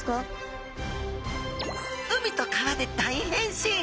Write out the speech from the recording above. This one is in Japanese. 海と川で大変身！